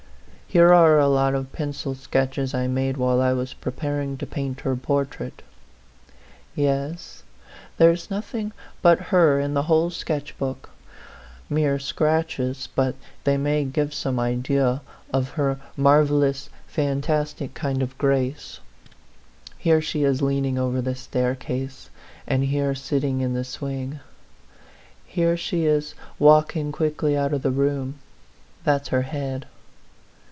Here are a lot of pencil sketches I made while I was preparing to paint her portrait. Yes; there's nothing but her in the whole sketch book. Mere scratches, but they may give some idea of her marvellous 4 A PHANTOM LOVER. fantastic kind of grace. Here she is leaning over the staircase, and here sitting in the swing. Here she is walking quickly out of the room. That's her head.